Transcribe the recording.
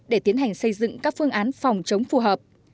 để tiến hành xây dựng các phương án phòng chống phù hợp